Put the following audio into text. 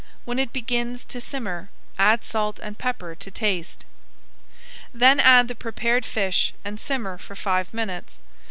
When it begins to simmer, add salt and pepper to taste. Then add the prepared fish and simmer for five minutes.